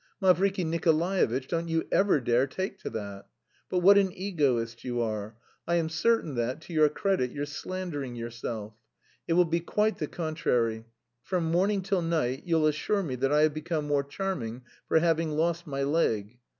"Mavriky Nikolaevitch, don't you ever dare take to that! But what an egoist you are! I am certain that, to your credit, you're slandering yourself. It will be quite the contrary; from morning till night you'll assure me that I have become more charming for having lost my leg.